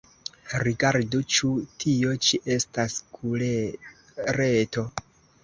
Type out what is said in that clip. Rigardu: ĉu tio ĉi estas kulereto?